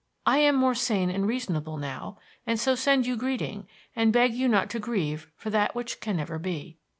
I am more sane and reasonable now, and so send you greeting and beg you not to grieve for that which can never be.